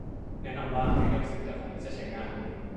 แนะนำว่า ให้เลือกซื้อแต่ของที่จะใช้งาน